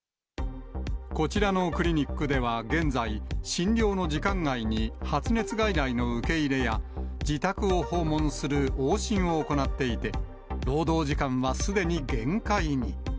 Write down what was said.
こちらのクリニックでは現在、診療の時間外に、発熱外来の受け入れや、自宅を訪問する往診を行っていて、労働時間はすでに限界に。